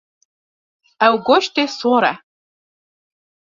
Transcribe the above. Ew goştê sor e.